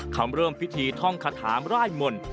เขาเริ่มพิธีท่องคาถามร่ายมนต์